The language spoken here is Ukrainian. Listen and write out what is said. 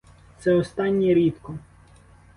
Це останнє — рідко.